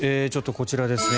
こちらですね。